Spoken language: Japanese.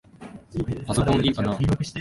パソコンいいかな？